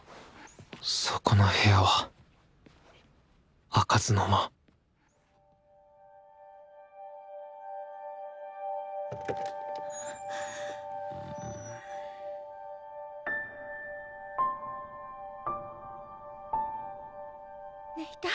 そこの部屋は開かずの間ねえいた？